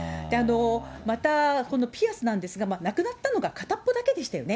また、このピアスなんですが、なくなったのが片っぽだけでしたよね。